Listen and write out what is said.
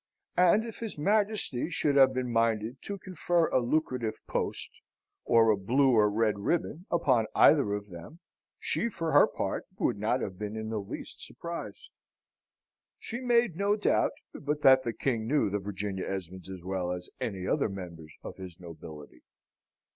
And if his Majesty should have been minded to confer a lucrative post, or a blue or red ribbon upon either of them, she, for her part, would not have been in the least surprised. She made no doubt but that the King knew the Virginian Esmonds as well as any other members of his nobility.